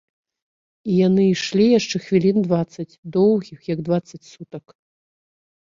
І яны ішлі яшчэ хвілін дваццаць, доўгіх, як дваццаць сутак.